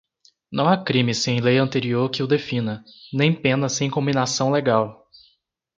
não há crime sem lei anterior que o defina, nem pena sem cominação legal